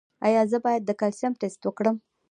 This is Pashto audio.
ایا زه باید د کلسیم ټسټ وکړم؟